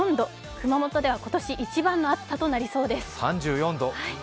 熊本では今年一番の暑さとなりそうです。